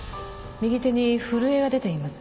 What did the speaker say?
右手に震えが出ています。